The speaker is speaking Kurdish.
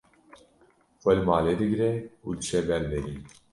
xwe li malê digire û diçe ber derî